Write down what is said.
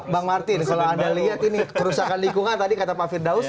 bang martin kalau anda lihat ini kerusakan lingkungan tadi kata pak firdaus